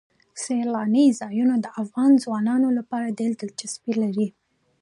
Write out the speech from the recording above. سیلاني ځایونه د افغان ځوانانو لپاره ډېره دلچسپي لري.